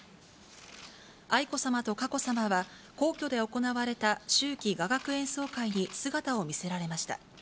愛子さまと佳子さまは、皇居で行われた秋季雅楽演奏会に姿を見せられました。